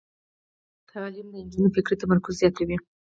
تعلیم د نجونو فکري تمرکز زیاتوي.